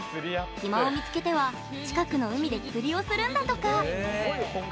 暇を見つけては近くの海で釣りをするんだとか。